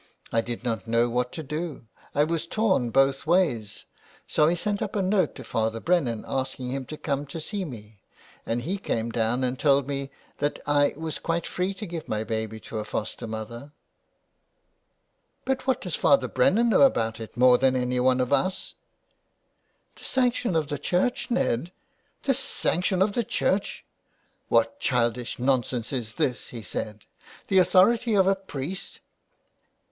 I did not know what to do. I was torn both ways, so I sent up a note to Father Brennan asking him to come to see me, and he came down and told me that I was quite free to give my baby to a foster mother." " But what does Father Brennan know about it more than anyone of us ?"" The sanction of the Church, Ned "" The sanction of the Church ! What childish nonsense is this ?" he said. '' The authority of a priest.